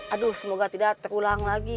aduh semoga tidak terulang lagi